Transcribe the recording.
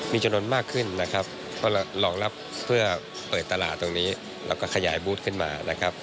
มีจำนวนมากขึ้นนะครับก็รองรับเพื่อเปิดตลาดตรงนี้แล้วก็ขยายบูธขึ้นมานะครับ